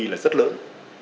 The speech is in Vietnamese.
là rất lớn